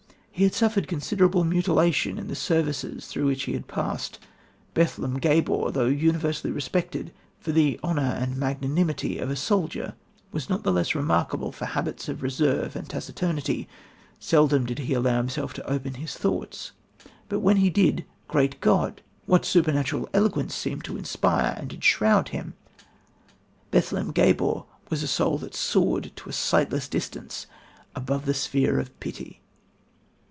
He had suffered considerable mutilation in the services through which he had passed ... Bethlem Gabor, though universally respected for the honour and magnanimity of a soldier, was not less remarkable for habits of reserve and taciturnity... Seldom did he allow himself to open his thoughts but when he did, Great God! what supernatural eloquence seemed to inspire and enshroud him... Bethlem Gabor's was a soul that soared to a sightless distance above the sphere of pity."